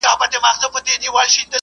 درې وروسته له دوو راځي.